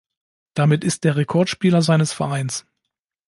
Damit ist er Rekordspieler seines Vereins.